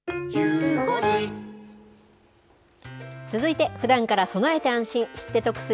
続いてふだんから備えて安心、知って得する！